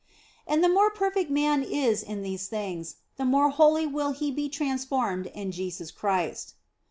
And the more perfect man is in these things, the more wholly will he be transformed in Jesus Christ.